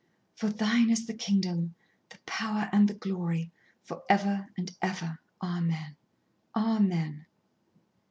"For Thine is the kingdom, the power, and the glory, for ever and ever. Amen, amen."